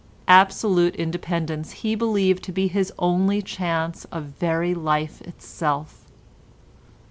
Absolute independence he believed to be his only chance of very life itself.